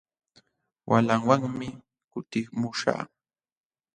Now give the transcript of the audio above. Walamanmi kutimuśhaq.